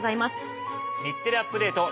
『日テレアップＤａｔｅ！』